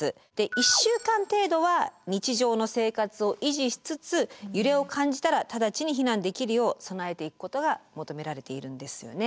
１週間程度は日常の生活を維持しつつ揺れを感じたら直ちに避難できるよう備えていくことが求められているんですよね。